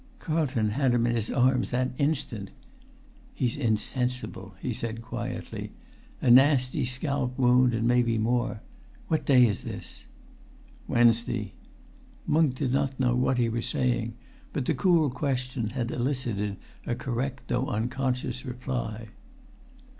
Carlton had him in his arms that instant. "He's insensible," he said quietly. "A nasty scalp wound, and may be more. What day is this?" "Wednesday." [Pg 287]Musk did not know what he was saying, but the cool question had elicited a correct though unconscious reply.